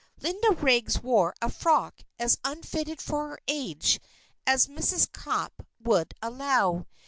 Linda Riggs wore a frock as unfitted for her age as Mrs. Cupp would allow.